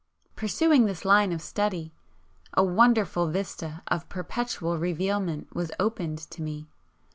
Pursuing this line of study, a wonderful vista of perpetual revealment was opened to me.